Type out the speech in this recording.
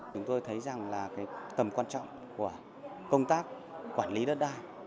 chúng tôi thấy rằng là tầm quan trọng của công tác quản lý đất đai